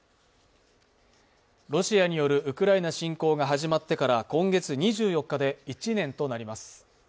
ロシアによるウクライナ侵攻が始まってから今月２４日で１年となります。